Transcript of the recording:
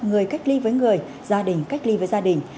người cách ly với người gia đình cách ly với gia đình